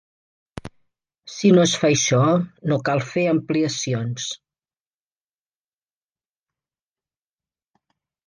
Si no es fa això, no cal fer ampliacions.